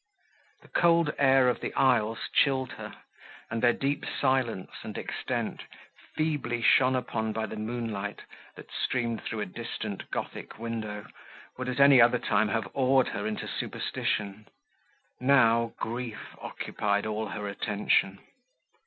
The cold air of the aisles chilled her, and their deep silence and extent, feebly shone upon by the moonlight, that streamed through a distant gothic window, would at any other time have awed her into superstition; now, grief occupied all her attention.